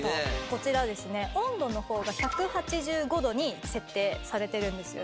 こちらですね温度の方が１８５度に設定されてるんですよね。